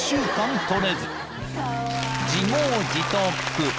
［自業自得］